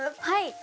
はい。